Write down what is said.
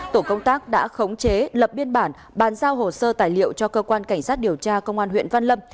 tổ công tác đã khống chế lập biên bản bàn giao hồ sơ tài liệu cho cơ quan cảnh sát điều tra công an huyện văn lâm